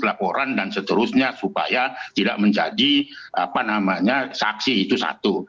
laporan dan seterusnya supaya tidak menjadi saksi itu satu